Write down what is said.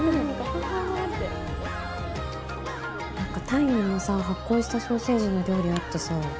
タイにもさ発酵したソーセージの料理あってさ